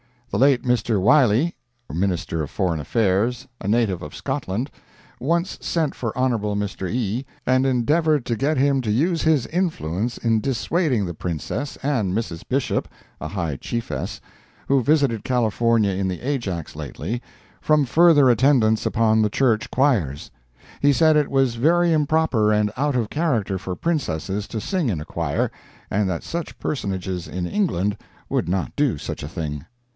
The late Mr. Wyllie, Minister of Foreign Affairs (a native of Scotland), once sent for Hon. Mr. Ii, and endeavored to get him to use his influence in dissuading the Princess and Mrs. Bishop (a high chiefess) who visited California in the Ajax lately, from further attendance upon the church choirs. He said it was very improper and out of character for Princesses to sing in a choir, and that such personages in England would not do such a thing.